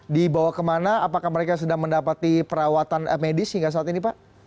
dibawa kemana apakah mereka sedang mendapati perawatan medis hingga saat ini pak